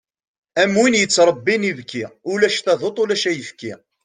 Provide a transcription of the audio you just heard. Am win yettrebbin ibki, ulac taduṭ ulac ayefki.